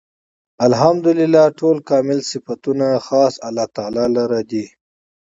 الحمد لله . ټول کامل صفتونه خاص الله تعالی لره دی